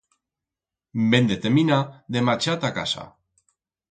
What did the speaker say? Vem determinar de marchar de casa.